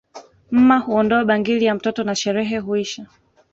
Mma huondoa bangili ya mtoto na sherehe huisha